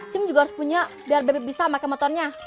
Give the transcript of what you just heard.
sim juga harus punya biar bebe bisa pake motornya